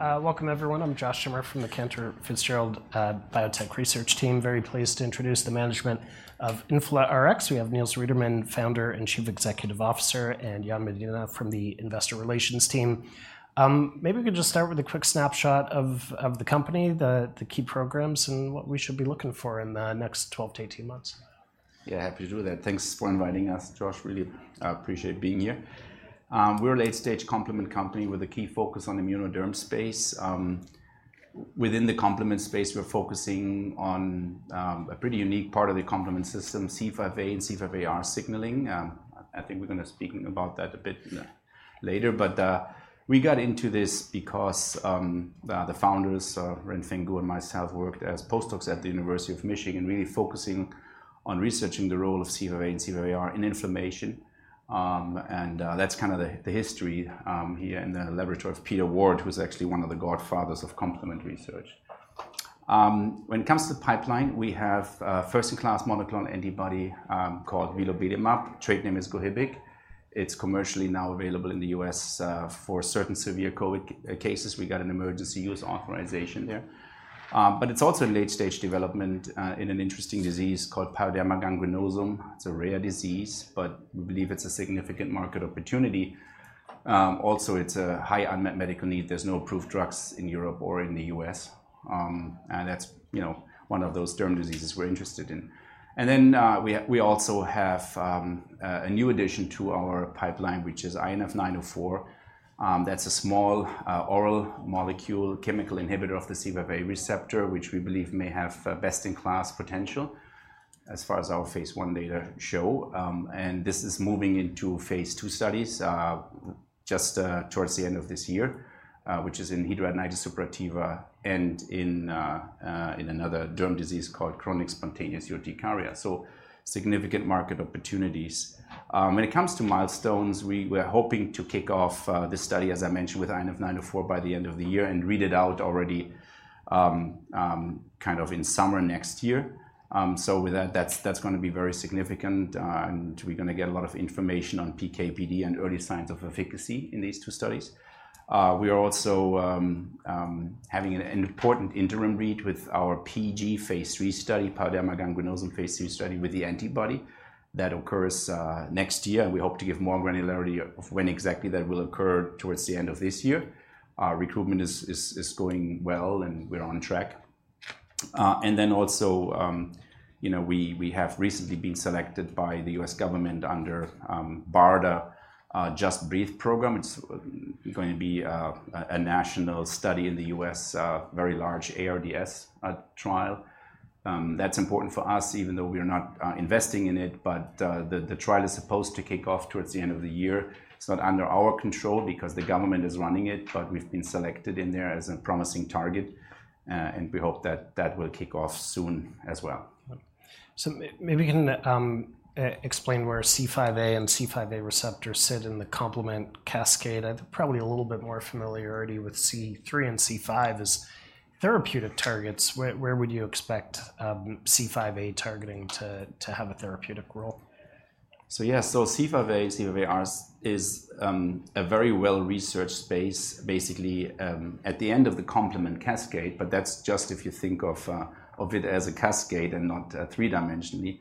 All right, welcome everyone. I'm Josh Schimmer from the Cantor Fitzgerald Biotech Research Team. Very pleased to introduce the management of InflaRx. We have Niels Riedemann, Founder and Chief Executive Officer, and Jan Medina from the investor relations team. Maybe we could just start with a quick snapshot of the company, the key programs, and what we should be looking for in the next 12 to 18 months. Yeah, happy to do that. Thanks for inviting us, Josh. Really, appreciate being here. We're a late-stage complement company with a key focus on immunoderm space. Within the complement space, we're focusing on a pretty unique part of the complement system, C5a and C5aR signaling. I think we're gonna speaking about that a bit later, but we got into this because the founders, Renfeng Guo and myself, worked as postdocs at the University of Michigan, really focusing on researching the role of C5a and C5aR in inflammation. And that's kind of the history here in the laboratory of Peter Ward, who's actually one of the godfathers of complement research. When it comes to the pipeline, we have a first-in-class monoclonal antibody called vilobelimab. Trade name is Gohibic. It's commercially now available in the U.S. for certain severe COVID cases. We got an emergency use authorization there. But it's also in late-stage development in an interesting disease called pyoderma gangrenosum. It's a rare disease, but we believe it's a significant market opportunity. Also, it's a high unmet medical need. There's no approved drugs in Europe or in the U.S., and that's, you know, one of those derm diseases we're interested in. And then, we also have a new addition to our pipeline, which is INF904. That's a small oral molecule, chemical inhibitor of the C5a receptor, which we believe may have best-in-class potential as far as our phase I data show. And this is moving into phase II studies, just towards the end of this year, which is in hidradenitis suppurativa and in another derm disease called chronic spontaneous urticaria, so significant market opportunities. When it comes to milestones, we're hoping to kick off the study, as I mentioned, with INF904 by the end of the year and read it out already, kind of in summer next year. So with that, that's gonna be very significant, and we're gonna get a lot of information on PK/PD and early signs of efficacy in these two studies. We are also having an important interim read with our PG phase III study, pyoderma gangrenosum phase III study with the antibody. That occurs next year, and we hope to give more granularity of when exactly that will occur towards the end of this year. Our recruitment is going well, and we're on track. Then also, you know, we have recently been selected by the U.S. government under BARDA, Just Breathe program. It's going to be a national study in the U.S., very large ARDS trial. That's important for us, even though we are not investing in it, but the trial is supposed to kick off towards the end of the year. It's not under our control because the government is running it, but we've been selected in there as a promising target, and we hope that that will kick off soon as well. So maybe you can explain where C5a and C5a receptors sit in the complement cascade? I've probably a little bit more familiarity with C3 and C5 as therapeutic targets. Where would you expect C5a targeting to have a therapeutic role? Yeah. C5a, C5aR is a very well-researched space, basically, at the end of the complement cascade, but that's just if you think of it as a cascade and not three-dimensionally.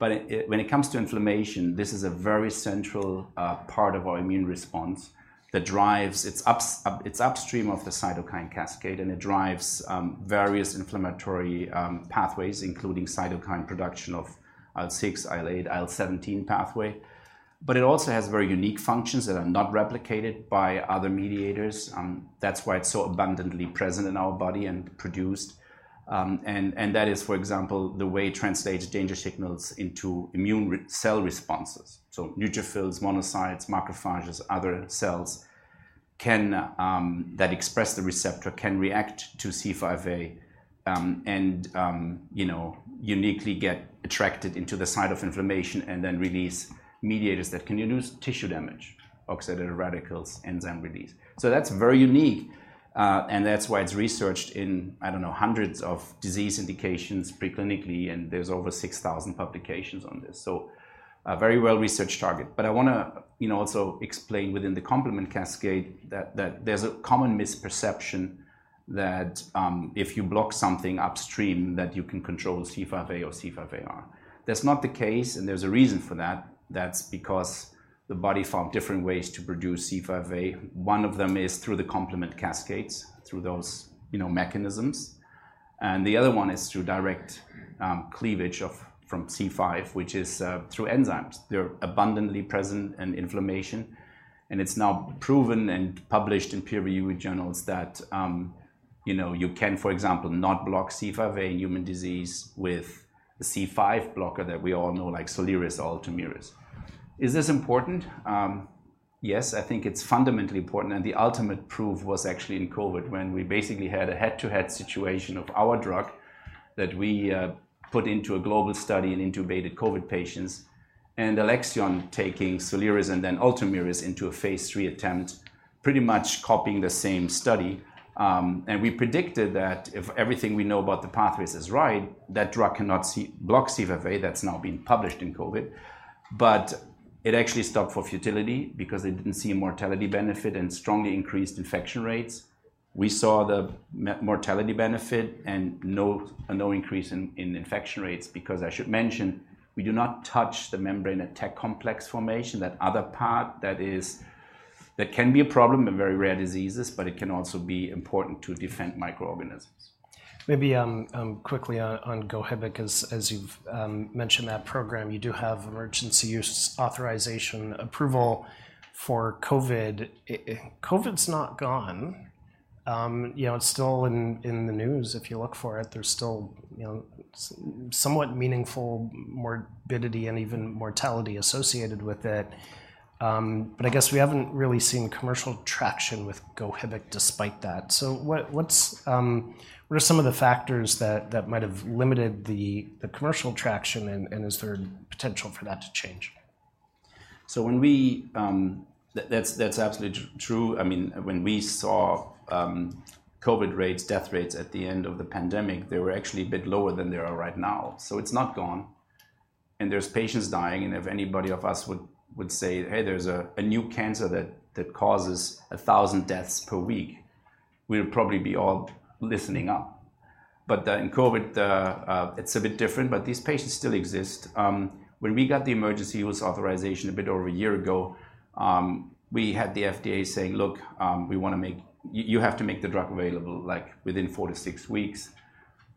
It... When it comes to inflammation, this is a very central part of our immune response that drives it upstream of the cytokine cascade, and it drives various inflammatory pathways, including cytokine production of IL-6, IL-8, IL-17 pathway. It also has very unique functions that are not replicated by other mediators. That's why it's so abundantly present in our body and produced. That is, for example, the way it translates danger signals into immune cell responses. So neutrophils, monocytes, macrophages, other cells can that express the receptor, can react to C5a, and you know, uniquely get attracted into the site of inflammation and then release mediators that can induce tissue damage, oxidative radicals, enzyme release. So that's very unique, and that's why it's researched in, I don't know, hundreds of disease indications preclinically, and there's over six thousand publications on this, so a very well-researched target. But I wanna, you know, also explain within the complement cascade that there's a common misperception that if you block something upstream, that you can control C5a or C5aR. That's not the case, and there's a reason for that. That's because the body found different ways to produce C5a. One of them is through the complement cascades, through those, you know, mechanisms, and the other one is through direct cleavage from C5, which is through enzymes. They're abundantly present in inflammation, and it's now proven and published in peer review journals that you know, you can, for example, not block C5a in human disease with a C5 blocker that we all know, like Soliris or Ultomiris. Is this important? Yes, I think it's fundamentally important, and the ultimate proof was actually in COVID, when we basically had a head-to-head situation of our drug that we put into a global study in intubated COVID patients, and Alexion taking Soliris and then Ultomiris into a phase III attempt, pretty much copying the same study, and we predicted that if everything we know about the pathways is right, that drug cannot block C5a. That's now been published in COVID. But it actually stopped for futility because they didn't see a mortality benefit and strongly increased infection rates. We saw the mortality benefit and no increase in infection rates, because I should mention, we do not touch the membrane attack complex formation, that other part that can be a problem in very rare diseases, but it can also be important to defend microorganisms. Maybe, quickly on Gohibic, as you've mentioned that program, you do have emergency use authorization approval for COVID. COVID's not gone. You know, it's still in the news, if you look for it. There's still, you know, somewhat meaningful morbidity and even mortality associated with it. But I guess we haven't really seen commercial traction with Gohibic despite that. So what are some of the factors that might have limited the commercial traction, and is there potential for that to change? That's absolutely true. I mean, when we saw COVID rates, death rates at the end of the pandemic, they were actually a bit lower than they are right now. It's not gone, and there's patients dying, and if anybody of us would say, "Hey, there's a new cancer that causes a thousand deaths per week," we would probably be all listening up. But in COVID, it's a bit different, but these patients still exist. When we got the emergency use authorization a bit over a year ago, we had the FDA saying, "Look, we want to make... You have to make the drug available, like, within four to six weeks,"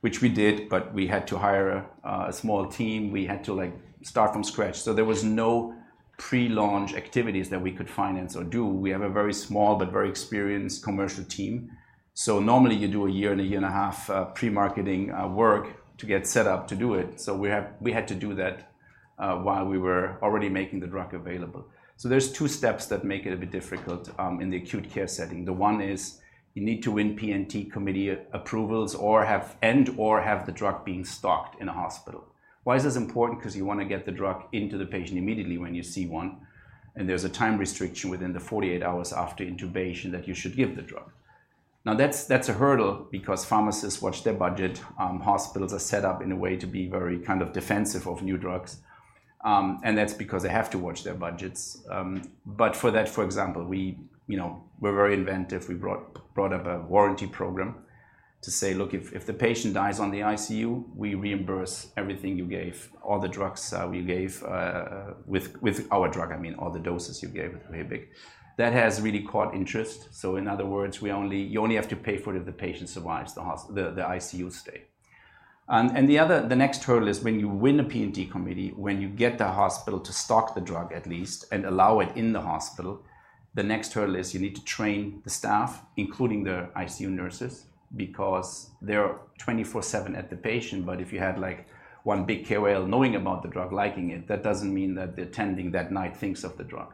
which we did, but we had to hire a small team. We had to, like, start from scratch. So there was no pre-launch activities that we could finance or do. We have a very small but very experienced commercial team. So normally, you do a year and a year and a half, pre-marketing, work to get set up to do it. So we have, we had to do that, while we were already making the drug available. So there's two steps that make it a bit difficult, in the acute care setting. The one is you need to win P&T committee approvals or have, and/or have the drug being stocked in a hospital. Why is this important? 'Cause you want to get the drug into the patient immediately when you see one, and there's a time restriction within the 48 hours after intubation that you should give the drug. Now, that's, that's a hurdle because pharmacists watch their budget. Hospitals are set up in a way to be very kind of defensive of new drugs, and that's because they have to watch their budgets. But for that, for example, we, you know, we're very inventive. We brought up a warranty program to say, "Look, if the patient dies on the ICU, we reimburse everything you gave, all the drugs we gave with our drug, I mean, all the doses you gave Gohibic." That has really caught interest. So in other words, you only have to pay for it if the patient survives the ICU stay. The next hurdle is when you win a P&T committee, when you get the hospital to stock the drug at least and allow it in the hospital. The next hurdle is you need to train the staff, including the ICU nurses, because they're twenty-four/seven at the patient. But if you had, like, one big KOL knowing about the drug, liking it, that doesn't mean that the attending that night thinks of the drug.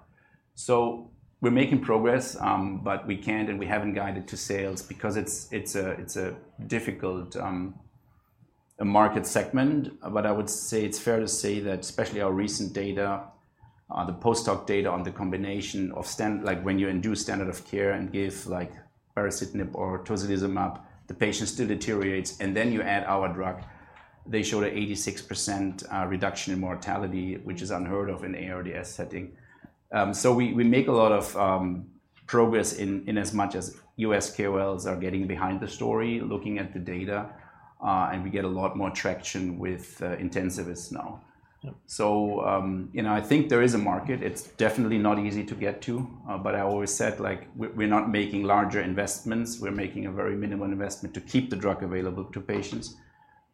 So we're making progress, but we can't and we haven't guided to sales because it's a difficult market segment. But I would say it's fair to say that especially our recent data, the post-hoc data on the combination of standard, like when you include standard of care and give, like, baricitinib or tocilizumab, the patient still deteriorates, and then you add our drug, they show an 86% reduction in mortality, which is unheard of in ARDS setting. So we make a lot of progress in as much as US KOLs are getting behind the story, looking at the data, and we get a lot more traction with intensivists now. Yeah. You know, I think there is a market. It's definitely not easy to get to, but I always said, like, we're not making larger investments. We're making a very minimum investment to keep the drug available to patients.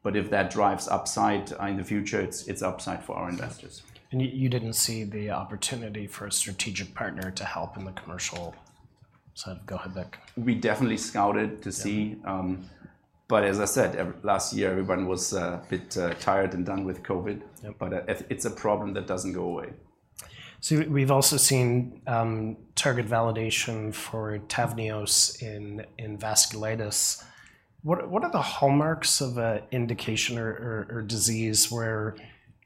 But if that drives upside in the future, it's upside for our investors. You didn't see the opportunity for a strategic partner to help in the commercial side of Gohibic? We definitely scouted to see. Yeah. But as I said, last year, everyone was a bit tired and done with COVID. Yeah. But, it's a problem that doesn't go away. So we've also seen target validation for Tavneos in vasculitis. What are the hallmarks of an indication or disease where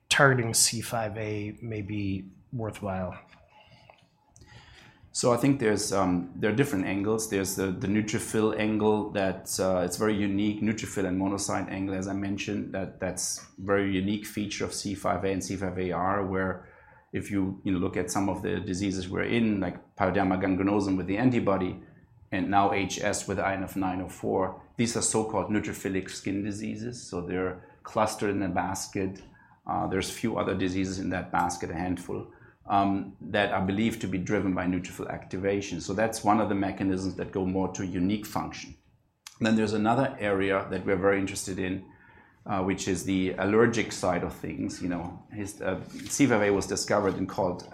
targeting C5a may be worthwhile? So I think there's, there are different angles. There's the neutrophil angle, that's, it's very unique. Neutrophil and monocyte angle, as I mentioned, that's very unique feature of C5a and C5AR, where if you look at some of the diseases we're in, like pyoderma gangrenosum with the antibody and now HS with INF904, these are so-called neutrophilic skin diseases, so they're clustered in a basket. There's few other diseases in that basket, a handful, that are believed to be driven by neutrophil activation. So that's one of the mechanisms that go more to unique function. Then there's another area that we're very interested in, which is the allergic side of things. You know, his C5a was discovered and called,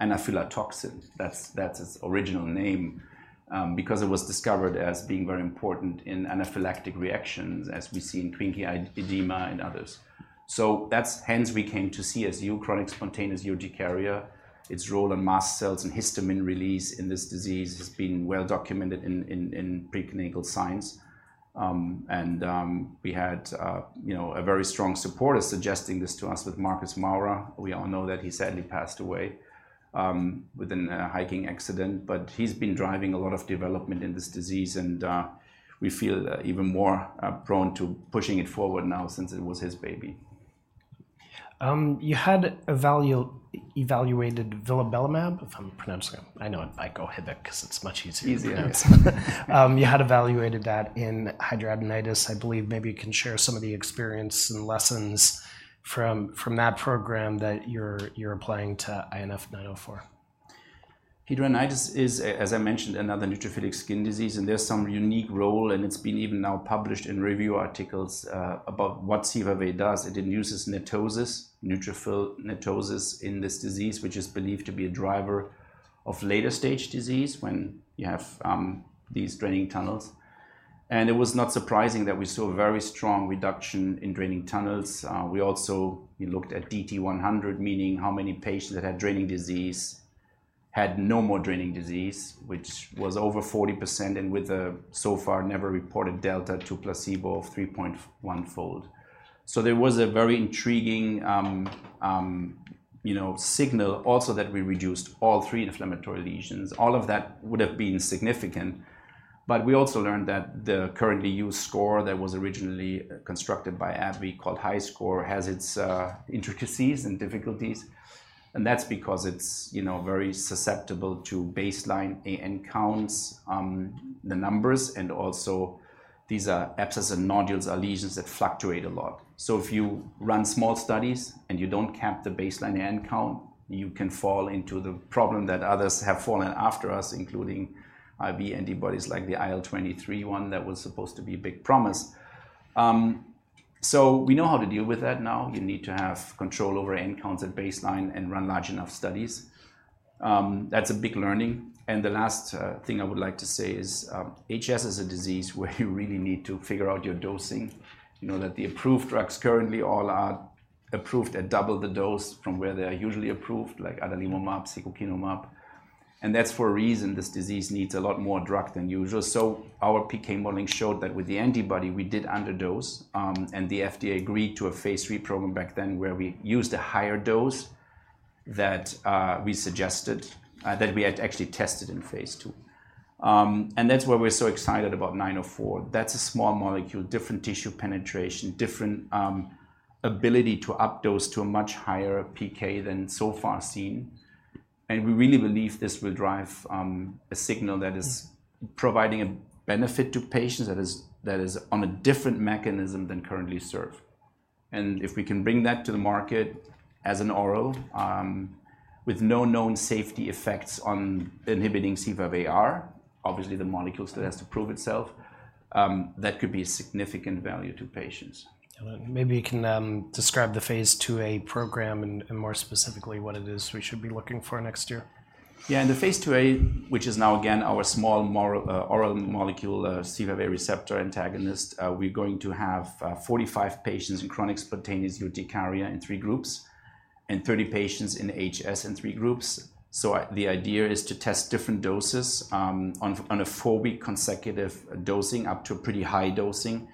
anaphylatoxin. That's, that's its original name, because it was discovered as being very important in anaphylactic reactions, as we see in Quincke's edema and others. So that's hence we came to see as chronic spontaneous urticaria. Its role in mast cells and histamine release in this disease has been well documented in preclinical science. And, we had, you know, a very strong supporter suggesting this to us with Marcus Maurer. We all know that he sadly passed away within a hiking accident, but he's been driving a lot of development in this disease, and, we feel even more prone to pushing it forward now since it was his baby. You had evaluated vilobelimab, if I'm pronouncing it. I know, I'll go ahead, Gohibic 'cause it's much easier to pronounce. Easier. You had evaluated that in hidradenitis. I believe maybe you can share some of the experience and lessons from that program that you're applying to INF904. Hidradenitis is a, as I mentioned, another neutrophilic skin disease, and there's some unique role, and it's been even now published in review articles, about what C5a does. It induces NETosis, neutrophil NETosis in this disease, which is believed to be a driver of later stage disease when you have, these draining tunnels. And it was not surprising that we saw a very strong reduction in draining tunnels. We also looked at DT100, meaning how many patients that had draining disease had no more draining disease, which was over 40%, and with a so far never reported delta to placebo of 3.1-fold. So there was a very intriguing, you know, signal also that we reduced all three inflammatory lesions. All of that would have been significant, but we also learned that the currently used score that was originally constructed by AbbVie, called HiSCR, has its intricacies and difficulties, and that's because it's, you know, very susceptible to baseline abscess and nodule counts, the numbers, and also these are abscess and nodules are lesions that fluctuate a lot. So if you run small studies, and you don't cap the baseline abscess and nodule, you can fall into the problem that others have fallen after us, including anti-IL antibodies, like the IL-23 one that was supposed to be a big promise. So we know how to deal with that now. You need to have control over abscess and nodule counts at baseline and run large enough studies. That's a big learning. And the last thing I would like to say is, HS is a disease where you really need to figure out your dosing. You know, that the approved drugs currently all are approved at double the dose from where they are usually approved, like adalimumab, secukinumab, and that's for a reason. This disease needs a lot more drug than usual. So our PK modeling showed that with the antibody, we did underdose, and the FDA agreed to a phase II program back then, where we used a higher dose that we suggested, that we had actually tested in phase II. And that's why we're so excited about INF904. That's a small molecule, different tissue penetration, different, ability to up dose to a much higher PK than so far seen. We really believe this will drive a signal that is providing a benefit to patients that is on a different mechanism than currently served. If we can bring that to the market as an oral with no known safety effects on inhibiting C5aR, obviously, the molecule still has to prove itself. That could be a significant value to patients. Maybe you can describe the phase II-A program and more specifically, what it is we should be looking for next year. Yeah, in the phase II-A, which is now again, our small molecule oral C5a receptor antagonist, we're going to have 45 patients in chronic spontaneous urticaria in three groups and 30 patients in HS in three groups. So the idea is to test different doses on a 4-week consecutive dosing up to a pretty high dosing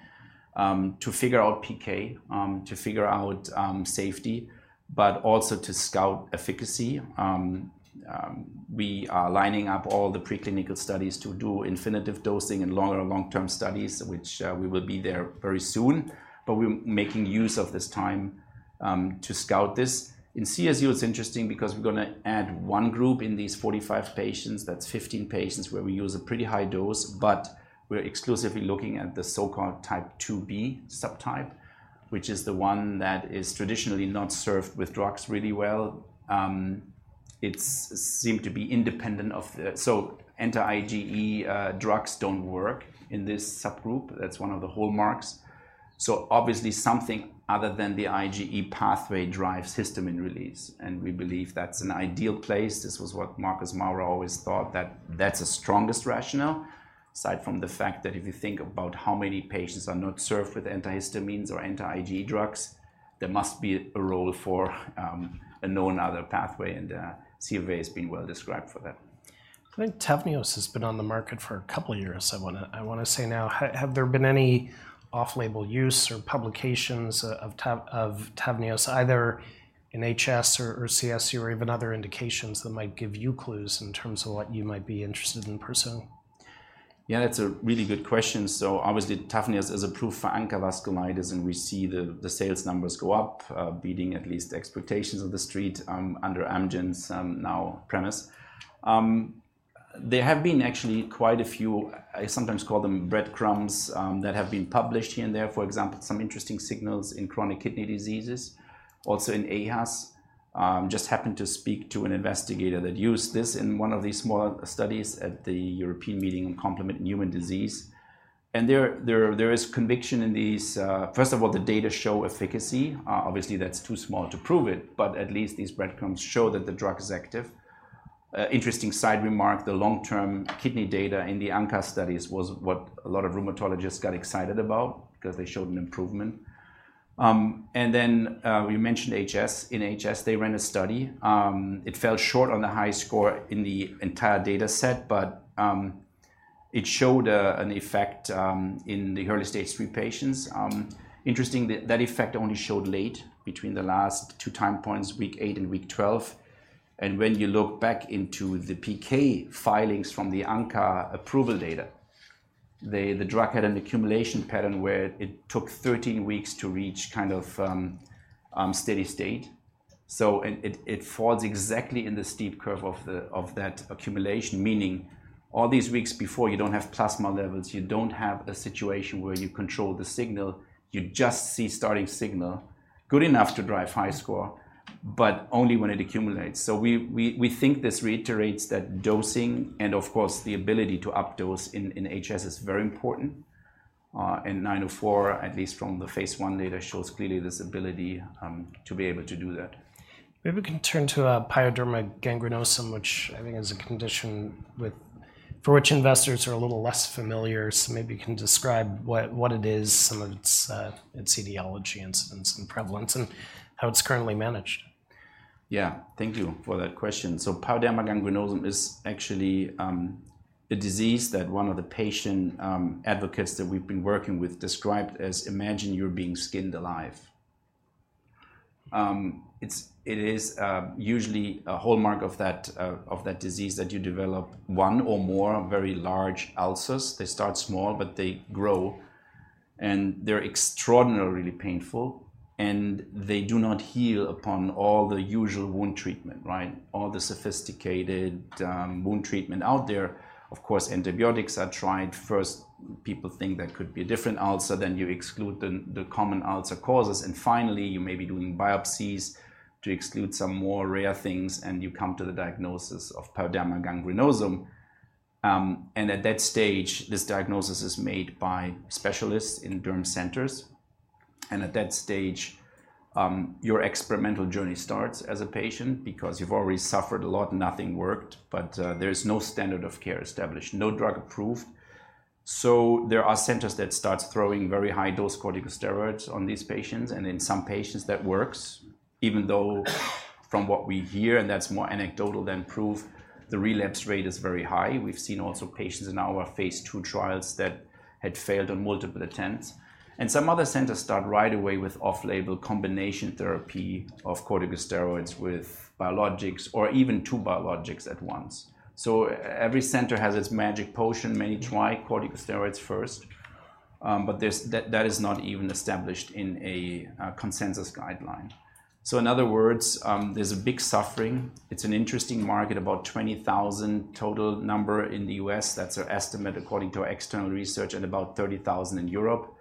to figure out PK to figure out safety, but also to scout efficacy. We are lining up all the preclinical studies to do indefinite dosing and longer long-term studies, which we will be there very soon, but we're making use of this time to scout this. In CSU, it's interesting because we're gonna add one group in these 45 patients. That's 15 patients, where we use a pretty high dose, but we're exclusively looking at the so-called type IIb subtype, which is the one that is traditionally not served with drugs really well. It seems to be independent of the... so anti-IgE drugs don't work in this subgroup. That's one of the hallmarks, so obviously, something other than the IgE pathway drives histamine release, and we believe that's an ideal place. This was what Marcus Maurer always thought, that that's the strongest rationale. Aside from the fact that if you think about how many patients are not served with antihistamines or anti-IgE drugs, there must be a role for a known other pathway, and C5a has been well described for that. I think Tavneos has been on the market for a couple of years, I wanna say now. Have there been any off-label use or publications of Tavneos, either in HS or CSU or even other indications that might give you clues in terms of what you might be interested in pursuing? Yeah, that's a really good question. So obviously, Tavneos is approved for ANCA vasculitis, and we see the sales numbers go up, beating at least the expectations of the street, under Amgen's now premise. There have been actually quite a few. I sometimes call them breadcrumbs that have been published here and there, for example, some interesting signals in chronic kidney diseases, also in aHUS. Just happened to speak to an investigator that used this in one of these small studies at the European Meeting on Complement and Human Disease, and there is conviction in these. First of all, the data show efficacy. Obviously, that's too small to prove it, but at least these breadcrumbs show that the drug is active. Interesting side remark, the long-term kidney data in the ANCA studies was what a lot of rheumatologists got excited about because they showed an improvement. And then we mentioned HS. In HS, they ran a study. It fell short on the HiSCR in the entire data set, but. It showed an effect in the early stage three patients. Interesting that that effect only showed late between the last two time points, week eight and week twelve. And when you look back into the PK filings from the ANCA approval data, they, the drug had an accumulation pattern where it took thirteen weeks to reach kind of steady state. So it falls exactly in the steep curve of that accumulation, meaning all these weeks before, you don't have plasma levels. You don't have a situation where you control the signal. You just see starting signal, good enough to drive HiSCR, but only when it accumulates. So we think this reiterates that dosing, and of course, the ability to up dose in HS is very important. And INF904, at least from the phase I data, shows clearly this ability, to be able to do that. Maybe we can turn to pyoderma gangrenosum, which I think is a condition for which investors are a little less familiar. So maybe you can describe what it is, some of its etiology, incidence, and prevalence, and how it's currently managed. Yeah, thank you for that question. So pyoderma gangrenosum is actually a disease that one of the patient advocates that we've been working with described as, imagine you're being skinned alive. It is usually a hallmark of that disease that you develop one or more very large ulcers. They start small, but they grow, and they're extraordinarily painful, and they do not heal upon all the usual wound treatment, right? All the sophisticated wound treatment out there. Of course, antibiotics are tried first. People think that could be a different ulcer, then you exclude the common ulcer causes. And finally, you may be doing biopsies to exclude some more rare things, and you come to the diagnosis of pyoderma gangrenosum. And at that stage, this diagnosis is made by specialists in burn centers, and at that stage, your experimental journey starts as a patient because you've already suffered a lot and nothing worked, but there is no standard of care established, no drug approved. So there are centers that starts throwing very high dose corticosteroids on these patients, and in some patients that works, even though from what we hear, and that's more anecdotal than proof, the relapse rate is very high. We've seen also patients in our phase II trials that had failed on multiple attempts, and some other centers start right away with off-label combination therapy of corticosteroids with biologics or even two biologics at once. So every center has its magic potion. Many try corticosteroids first, but that is not even established in a consensus guideline. So in other words, there's a big suffering. It's an interesting market, about 20,000 total number in the U.S. That's our estimate, according to our external research, and about 30,000 in Europe.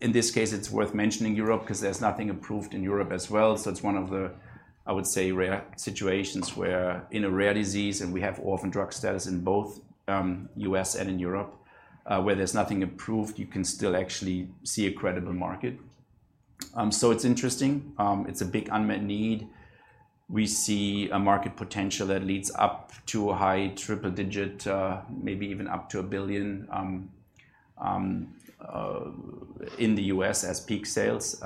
In this case, it's worth mentioning Europe, 'cause there's nothing approved in Europe as well. So it's one of the, I would say, rare situations where in a rare disease, and we have orphan drug status in both, U.S. and in Europe, where there's nothing approved, you can still actually see a credible market. So it's interesting. It's a big unmet need. We see a market potential that leads up to a high triple-digit, maybe even up to $1 billion, in the U.S. as peak sales.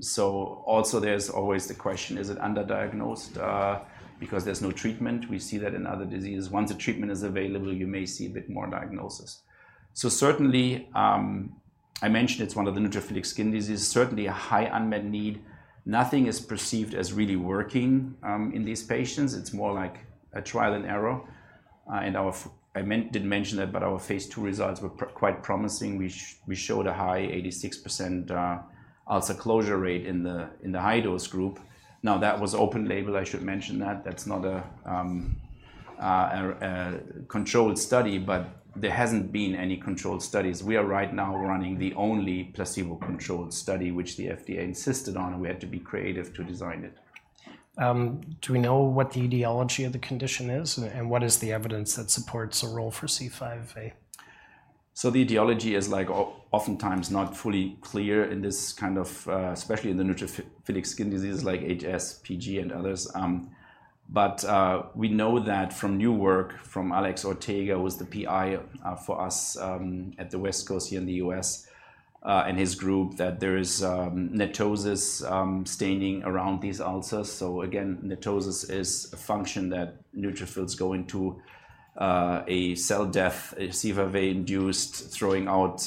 So also there's always the question, is it underdiagnosed, because there's no treatment? We see that in other diseases. Once a treatment is available, you may see a bit more diagnosis. So certainly, I mentioned it's one of the neutrophilic skin diseases, certainly a high unmet need. Nothing is perceived as really working in these patients. It's more like a trial and error. I meant I didn't mention it, but our phase II results were quite promising. We showed a high 86% ulcer closure rate in the high-dose group. Now, that was open label, I should mention that. That's not a controlled study, but there hasn't been any controlled studies. We are right now running the only placebo-controlled study, which the FDA insisted on, and we had to be creative to design it. Do we know what the etiology of the condition is, and what is the evidence that supports a role for C5a? So the etiology is, like, oftentimes not fully clear in this kind of, especially in the neutrophilic skin diseases like HS, PG, and others. But we know that from new work from Alex Ortega, who was the PI, for us, at the West Coast here in the US, and his group, that there is NETosis staining around these ulcers. So again, NETosis is a function that neutrophils go into, a cell death, C5a induced, throwing out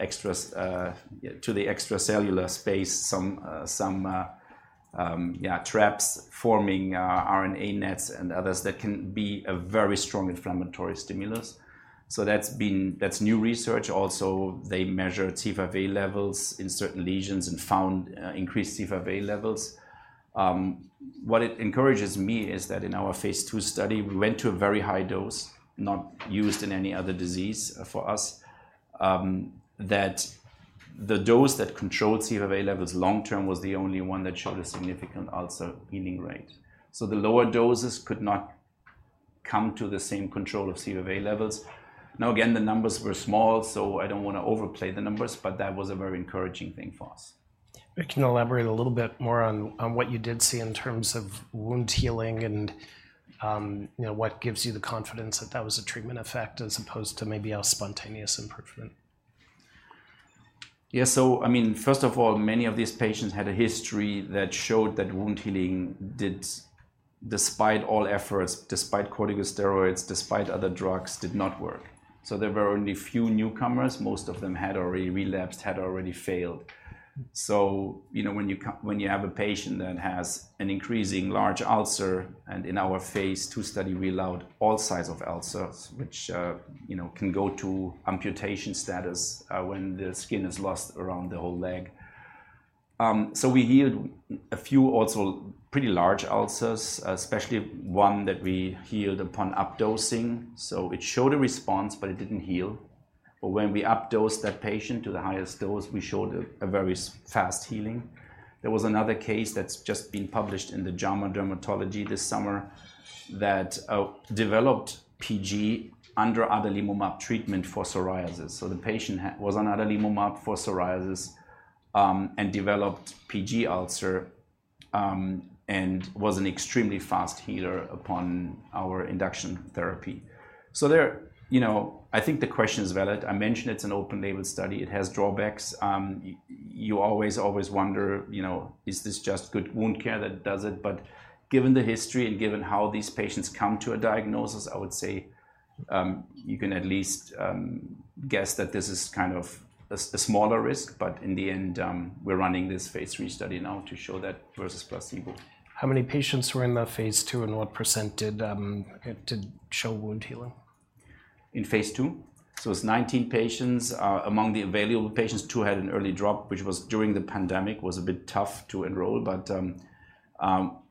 extra to the extracellular space, some yeah traps forming RNA nets and others that can be a very strong inflammatory stimulus. So that's new research. Also, they measured C5a levels in certain lesions and found increased C5a levels. What it encourages me is that in our phase II study, we went to a very high dose, not used in any other disease for us. That the dose that controlled C5a levels long term was the only one that showed a significant ulcer healing rate. So the lower doses could not come to the same control of C5a levels. Now, again, the numbers were small, so I don't want to overplay the numbers, but that was a very encouraging thing for us. Maybe you can elaborate a little bit more on what you did see in terms of wound healing and, you know, what gives you the confidence that that was a treatment effect as opposed to maybe a spontaneous improvement? Yeah, so I mean, first of all, many of these patients had a history that showed that wound healing did, despite all efforts, despite corticosteroids, despite other drugs, did not work. So there were only a few newcomers. Most of them had already relapsed, had already failed. So, you know, when you have a patient that has an increasing large ulcer, and in our phase II study, we allowed all size of ulcers, which, you know, can go to amputation status, when the skin is lost around the whole leg. So we healed a few, also pretty large ulcers, especially one that we healed upon up-dosing. So it showed a response, but it didn't heal. But when we up-dosed that patient to the highest dose, we showed a very fast healing. There was another case that's just been published in the JAMA Dermatology this summer, that, developed PG under adalimumab treatment for psoriasis. So the patient was on adalimumab for psoriasis, and developed PG ulcer, and was an extremely fast healer upon our induction therapy. So there, you know, I think the question is valid. I mentioned it's an open-label study. It has drawbacks. You always, always wonder, you know, is this just good wound care that does it? But given the history and given how these patients come to a diagnosis, I would say, you can at least, guess that this is kind of a smaller risk. But in the end, we're running this phase III study now to show that versus placebo. How many patients were in the phase II, and what % did show wound healing? In phase II? So it's 19 patients. Among the available patients, two had an early drop, which was during the pandemic, was a bit tough to enroll. But,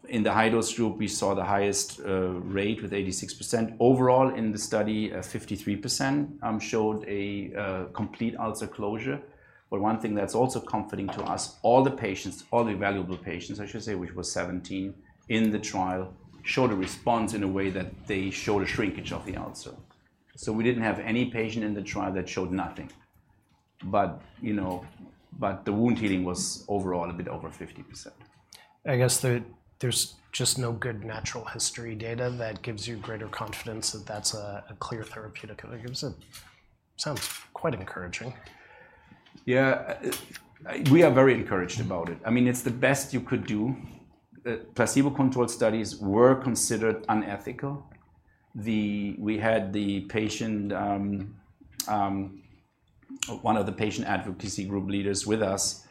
in the high-dose group, we saw the highest rate with 86%. Overall, in the study, 53% showed a complete ulcer closure. But one thing that's also comforting to us, all the patients, all the available patients, I should say, which was 17 in the trial, showed a response in a way that they showed a shrinkage of the ulcer. So we didn't have any patient in the trial that showed nothing but, you know, but the wound healing was overall a bit over 50%. I guess there, there's just no good natural history data that gives you greater confidence that that's a clear therapeutic. It gives a... Sounds quite encouraging. Yeah, we are very encouraged about it. I mean, it's the best you could do. Placebo-controlled studies were considered unethical. We had one of the patient advocacy group leaders with us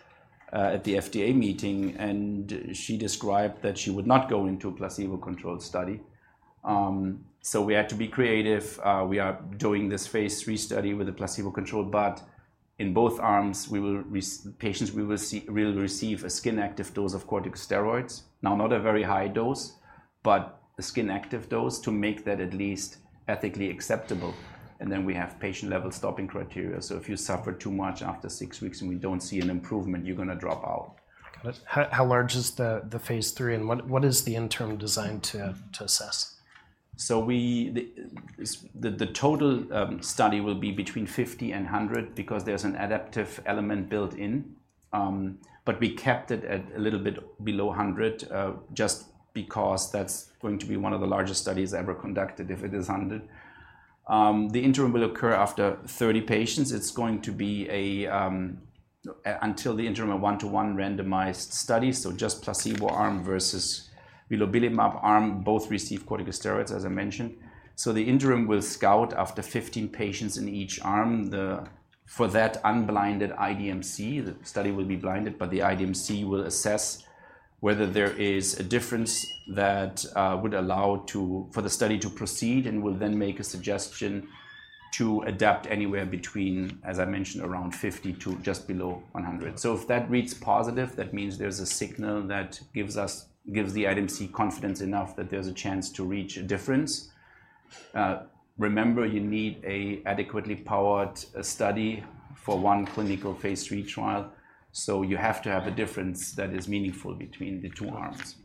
at the FDA meeting, and she described that she would not go into a placebo-controlled study. So we had to be creative. We are doing this phase III study with a placebo control, but in both arms, patients will receive a skin-active dose of corticosteroids. Now, not a very high dose, but a skin-active dose to make that at least ethically acceptable, and then we have patient-level stopping criteria. So if you suffer too much after six weeks and we don't see an improvement, you're gonna drop out. Got it. How large is the phase III, and what is the interim design to assess? The total study will be between 50 and 100 because there's an adaptive element built in. We kept it at a little bit below 100 just because that's going to be one of the largest studies ever conducted if it is 100. The interim will occur after 30 patients. It's going to be a 1-to-1 randomized study until the interim, so just placebo arm versus vilobelimab arm. Both receive corticosteroids, as I mentioned. The interim will occur after 15 patients in each arm. For that unblinded IDMC, the study will be blinded, but the IDMC will assess whether there is a difference that would allow the study to proceed, and will then make a suggestion to adapt anywhere between, as I mentioned, around 50 to just below 100. So if that reads positive, that means there's a signal that gives us, gives the IDMC confidence enough that there's a chance to reach a difference. Remember, you need an adequately powered study for one clinical phase III trial, so you have to have a difference that is meaningful between the two arms.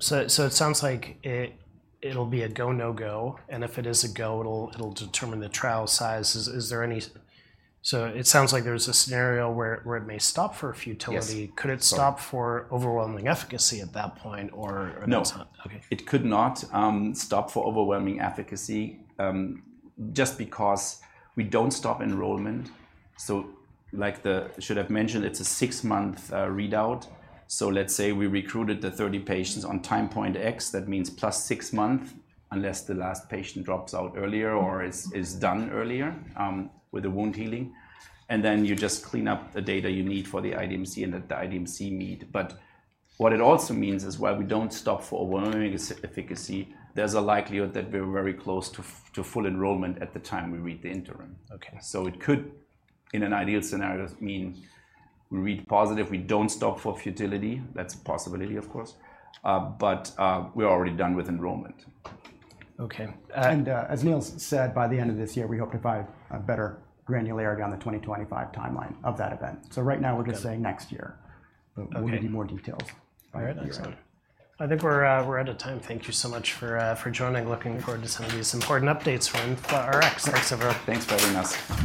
So it sounds like it'll be a go, no-go, and if it is a go, it'll determine the trial size. Is there any... So it sounds like there's a scenario where it may stop for futility. Yes. Could it stop for overwhelming efficacy at that point, or, or not? No. Okay. It could not stop for overwhelming efficacy, just because we don't stop enrollment. So like the, should have mentioned, it's a six-month readout. So let's say we recruited the thirty patients on time point X, that means plus six month, unless the last patient drops out earlier or is done earlier, with the wound healing. And then you just clean up the data you need for the IDMC and that the IDMC need. But what it also means is while we don't stop for overwhelming efficacy, there's a likelihood that we're very close to to full enrollment at the time we read the interim. Okay. So it could, in an ideal scenario, mean we read positive, we don't stop for futility. That's a possibility, of course. But we're already done with enrollment. Okay, and As Nils said, by the end of this year, we hope to provide a better granularity on the 2025 timeline of that event. Right now, we're just saying next year Okay. But we'll give you more details by next year. All right, excellent. I think we're out of time. Thank you so much for joining. Looking forward to some of these important updates from InflaRx. Thanks, everyone. Thanks for having us.